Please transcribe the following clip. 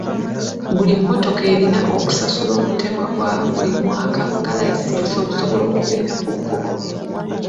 Buli mmotoka erina okusasula omutemwa gwa buli mwaka nga layisinsi okusobola okubeera ku kkubo.